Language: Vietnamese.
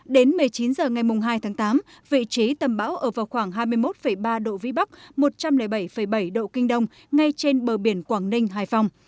đến một mươi chín h ngày hai tháng tám vị trí tâm bão ở vào khoảng hai mươi một ba độ vĩ bắc một trăm linh bảy bảy độ kinh đông ngay trên bờ biển quảng ninh hải phòng